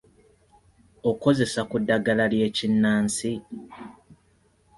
Okozesa ku ddagala ly’ekinnansi?